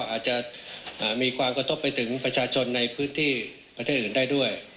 อาจจะมีความกระทบไปถึงประชาชนในพื้นที่ประเทศอื่นได้ด้วย